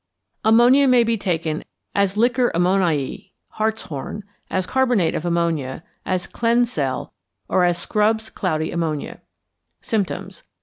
=Ammonia= may be taken as liquor ammoniæ (harts horn), as carbonate of ammonium, as 'Cleansel,' or as 'Scrubb's Cloudy Ammonia.' _Symptoms.